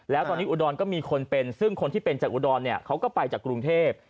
แล้วตอนนี้อุดรก็มีคนเป็นซึ่งคนที่เป็นจากอุดรเนี่ยเขาก็ไปจากกรุงเทพ